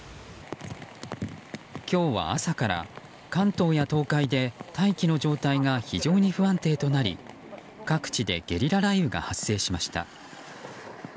今日は朝から関東や東海で大気の状態が非常に不安定となり各地でゲリラ雷雨が発生しました。